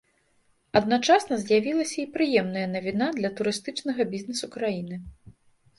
Адначасна з'явілася і прыемная навіна для турыстычнага бізнесу краіны.